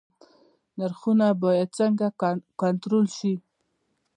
نرخونه باید څنګه کنټرول شي؟